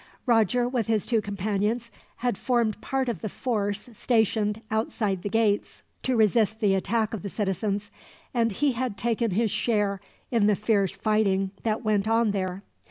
Roger, with his two companions, had formed part of the force stationed outside the gates to resist the attack of the citizens; and he had taken his share in the fierce fighting that went on there.